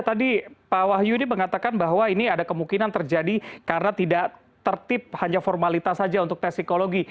tadi pak wahyu ini mengatakan bahwa ini ada kemungkinan terjadi karena tidak tertib hanya formalitas saja untuk tes psikologi